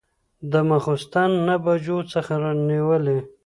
د ماخوستن نهه بجو څخه نیولې.